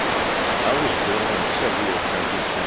T WAS born in Sevier county, Tenn.